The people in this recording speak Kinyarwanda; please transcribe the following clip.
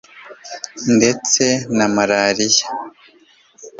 ndetse na malariya